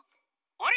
あれ？